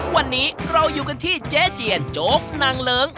วันนี้เราอยู่กันที่เจ๊เจียนโจ๊กนางเลิ้ง